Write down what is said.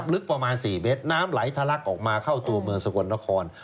ลึกประมาณ๔เมตรน้ำไหลทะลักออกมาเข้าตัวเมืองสกลนคร